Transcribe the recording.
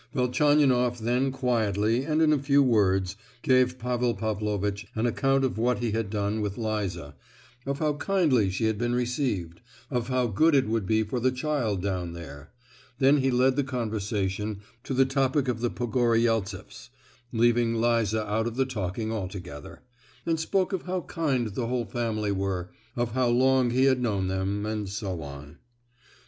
Velchaninoff then quietly, and in a few words, gave Pavel Pavlovitch an account of what he had done with Liza, of how kindly she had been received, of how good it would be for the child down there; then he led the conversation to the topic of the Pogoryeltseffs, leaving Liza out of the talking altogether, and spoke of how kind the whole family were, of how long he had known them, and so on.